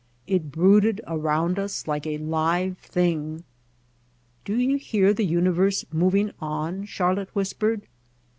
It brooded around us like a live thing. "Do you hear the universe moving on?" Char lotte whispered.